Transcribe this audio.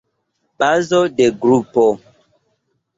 Bazo de grupo.